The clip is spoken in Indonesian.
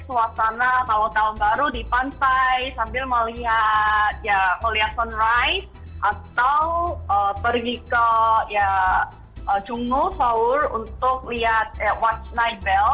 suasana kalau tahun baru di pantai sambil melihat sunrise atau pergi ke jungno seoul untuk lihat watch night bell